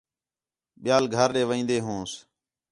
ٻِیال گھر ݙے وین٘دے ہونس